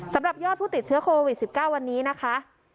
สำหรับยอดผู้ติดเชื้อโควิด๑๙วันนี้นะคะ